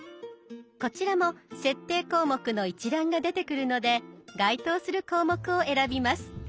こちらも設定項目の一覧が出てくるので該当する項目を選びます。